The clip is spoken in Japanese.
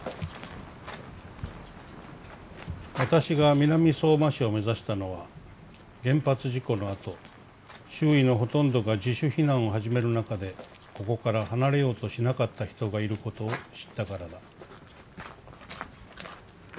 「私が南相馬市をめざしたのは原発事故の後周囲のほとんどが自主避難を始める中でここから離れようとしなかった人がいることを知ったからだ」。